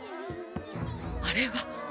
あれは！